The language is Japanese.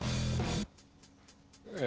え。